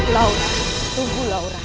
laura tunggu laura